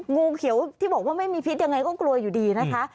งูเขียวที่บอกว่าไม่มีพิษยังไงก็กลัวอยู่ดีนะคะ